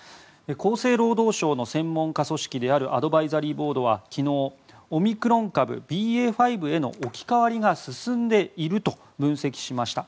厚生労働省の専門家組織であるアドバイザリーボードは昨日、オミクロン株ＢＡ．５への置き換わりが進んでいると分析しました。